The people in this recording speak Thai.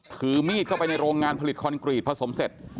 ถือมีดเข้าไปในโรงงานผลิตคอนกรีตผสมเสร็จ